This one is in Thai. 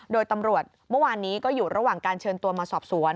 โดยตำรวจเมื่อวานนี้ก็อยู่ระหว่างการเชิญตัวมาสอบสวน